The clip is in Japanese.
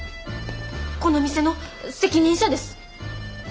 この店の責任者です。